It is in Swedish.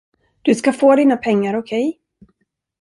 Du ska få dina pengar, okej?